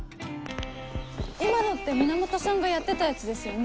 今のって源さんがやってたやつですよね。